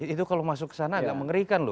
itu kalau masuk ke sana agak mengerikan loh